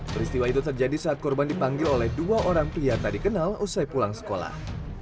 peristiwa itu terjadi saat korban dipanggil oleh dua orang pria tak dikenal usai pulang sekolah